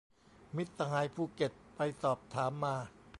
มิตรสหายภูเก็ตไปสอบถามมา